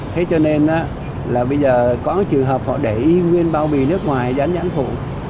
thế cho nên là bây giờ có trường hợp họ để nguyên bao bì nước ngoài dán nhãn phụ